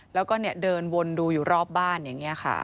แล้วก็เดินวนดูอยู่รอบบ้านอย่างนี้ค่ะ